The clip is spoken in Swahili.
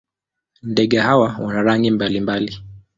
Ndege hawa wana rangi mbalimbali.